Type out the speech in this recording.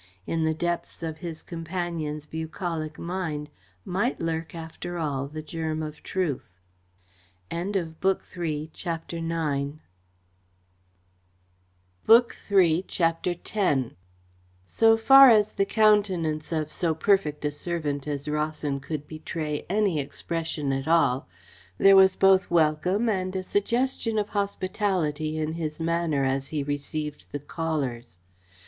In the depths of his companion's bucolic mind might lurk after all the germ of truth. CHAPTER X So far as the countenance of so perfect a servant as Rawson could betray any expression at all, there was both welcome and a suggestion of hospitality in his manner as he received the callers.